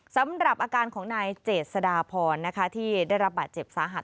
สำหรับอาการของนายเจษฎาพรที่ได้รับบาดเจ็บสาหัส